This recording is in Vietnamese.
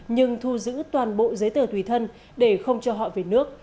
nhưng thu giữ toàn bộ giấy tờ tùy thân để không cho họ về nước